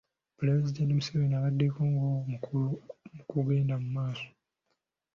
Pulezidenti Museveni abaddewo ng'omukolo gugenda mu maaso.